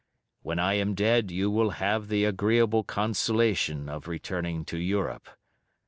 When I am dead you will have the agreeable consolation of returning to Europe.